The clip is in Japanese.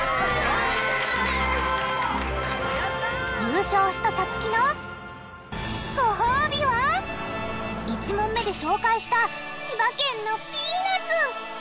優勝したさつきのごほうびは１問目で紹介した千葉県のピーナツ。